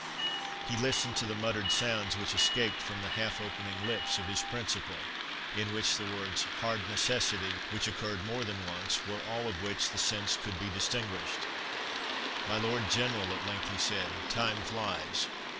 He listened to the muttering sounds which escaped from the half opening lips of his principal, in which the words, "hard necessity," which occurred more than once, were all of which the sense could be distinguished. "My Lord General," at length he said, "time flies."